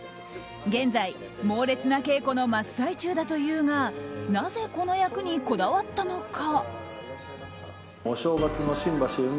現在、猛烈な稽古の真っ最中だというがなぜ、この役にこだわったのか。